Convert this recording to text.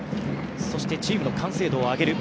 そしてチームの完成度を上げる。